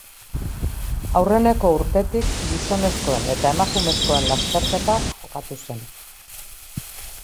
Aurreneko urtetik gizonezkoen eta emakumezkoen lasterketa jokatu zen.